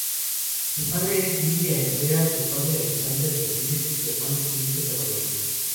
Su Madre es Lidia Herrera, su padre Alexander Rodríguez y su hermano Christopher RodrÍguez.